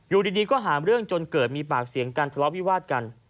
อยู่ดีก็หาเรื่องจนเกิดมีปากเสียงกันทะเลาะวิวาดกัน